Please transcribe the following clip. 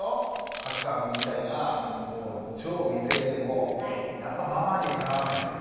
加耒さんみたいな超美声でもやっぱママにはかなわないんすよきっと。